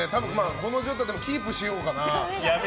この状態キープしようかな。